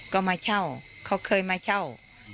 ก็มาเช่าเขาเคยมาเช่า